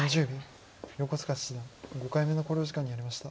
横塚七段５回目の考慮時間に入りました。